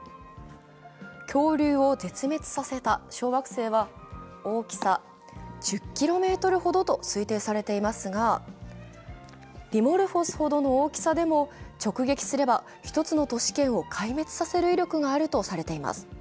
恐竜を絶滅させた小惑星は大きさ１０ｋｍほどと推定されていますが、ディモルフォスほどの大きさでも直撃すれば、１つの都市圏を壊滅させる威力があるとされています。